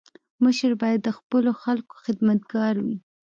مشر باید د خپلو خلکو خدمتګار وي.